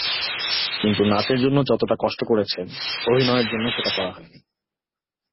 কিন্তু নাচের জন্য যতটা কষ্ট করেছেন, অভিনয়ের জন্য সেটা করা হয়নি।